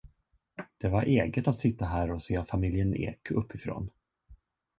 Det var eget att sitta här och se familjen Ek uppifrån.